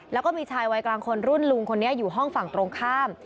แล้วก็มีชายวัยกลางคนรุ่นลุงคนนี้อยู่ห้องฝั่งตรงข้าม